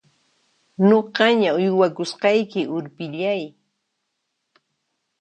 Nuqaña uywakusqayki urpillay!